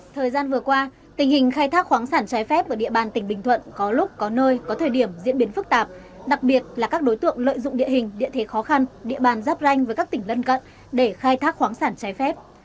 thời gian vừa qua tình hình khai thác khoáng sản trái phép ở địa bàn tỉnh bình thuận có lúc có nơi có thời điểm diễn biến phức tạp đặc biệt là các đối tượng lợi dụng địa hình địa thế khó khăn địa bàn giáp ranh với các tỉnh lân cận để khai thác khoáng sản trái phép